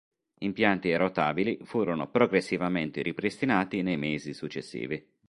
Impianti e rotabili furono progressivamente ripristinati nei mesi successivi.